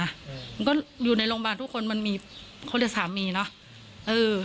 อืมมันก็อยู่ในโรงพยาบาลทุกคนมันมีคนแต่สามีเนอะเออ